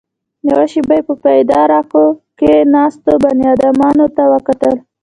يوه شېبه يې په پياده رو کې ناستو بنيادمانو ته وکتل.